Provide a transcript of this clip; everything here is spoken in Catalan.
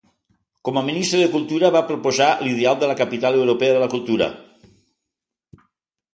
Com a Ministre de Cultura, va proposar l'ideal de la Capital Europea de la Cultura.